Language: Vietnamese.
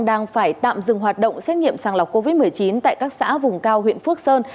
đang phải tạm dừng hoạt động xét nghiệm sàng lọc covid một mươi chín tại các xã vùng cao huyện phước sơn